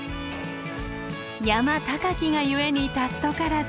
山高きが故に貴からず。